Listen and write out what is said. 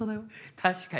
確かに。